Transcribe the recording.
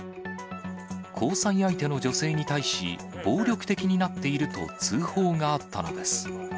交際相手の女性に対し、暴力的になっていると通報があったのです。